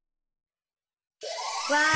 わあ！